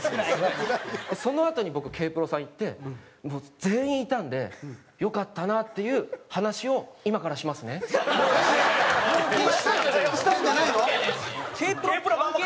そのあとに僕Ｋ−ＰＲＯさんいって全員いたんでよかったなっていう話をしたんじゃないの？